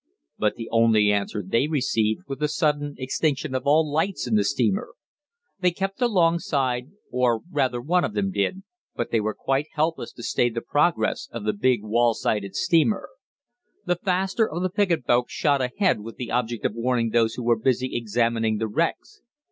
But the only answer they received was the sudden extinction of all lights in the steamer. They kept alongside, or rather one of them did, but they were quite helpless to stay the progress of the big wall sided steamer. The faster of the picket boats shot ahead with the object of warning those who were busy examining the wrecks.